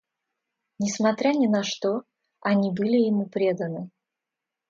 Несмотря ни на что, они были ему преданы.